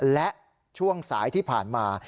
และช่วงสายที่ผ่านมา